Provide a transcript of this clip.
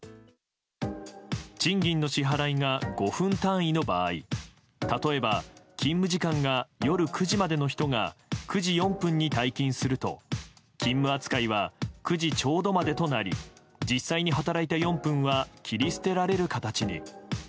賃金の支払いが５分単位の場合例えば勤務時間が夜９時までの人が９時４分に退勤すると勤務扱いは９時ちょうどまでとなり実際に働いた４分は切り捨てられる形に。